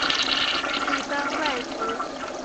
一般外族。